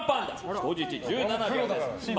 人質、１７秒です。